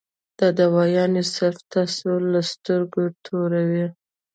دا دوايانې صرف تاسو له سترګې توروي -